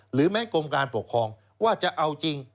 แม้กรมการปกครองว่าจะเอาจริง